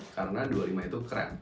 karena dua puluh lima itu keren